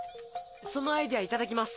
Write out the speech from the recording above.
そのアイデアいただきます。